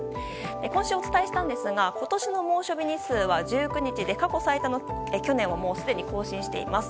今週、お伝えしましたが今年の猛暑日日数は１９日で過去最多の去年をもうすでに更新しています。